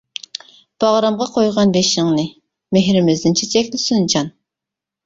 باغرىمغا قويغىن بېشىڭنى، مېھرىمىزدىن چېچەكلىسۇن جان!